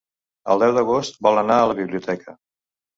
El deu d'agost vol anar a la biblioteca.